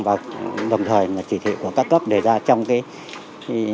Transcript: và đồng thời là chỉ thị của các cấp để ra trong cái